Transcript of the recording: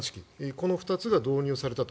この２つが導入されたと。